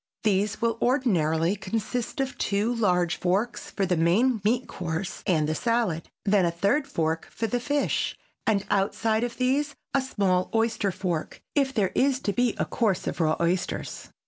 These will ordinarily consist of two large forks for the main meat course and the salad, then a third fork for the fish and outside of these a small oyster fork if there is to be a course of raw oysters.